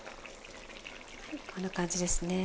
こんな感じですね。